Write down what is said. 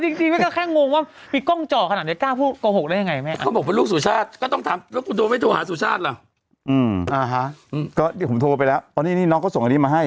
คงแค่งงวมว่ามีกล้องไจ่หนาจะกล้ากะพูดโกหกได้ยังไง